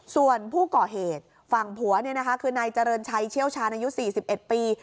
ส่วนผู้ก่อเหตุฝั่งผัวคือนายเจริญชัยเชี่ยวชาญอายุ๔๑ปี